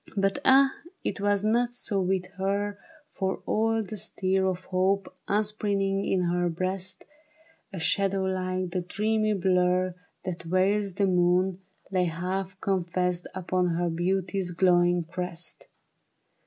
But ah, it was not so with her ; For all the stir Of hope upspringing in her breast, A shadow like the dreamy blur That veils the moon, lay half confessed Upon her beauty's glowing crest.